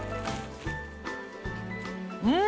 うん！